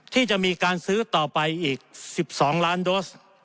ที่จะมีการซื้อต่อไปอีก๑๒ล้านโดส